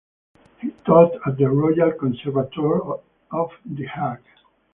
He taught at the Royal Conservatoire of The Hague.